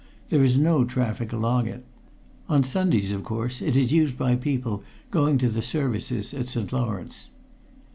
There is no traffic along it. On Sundays, of course, it is used by people going to the services at St. Lawrence."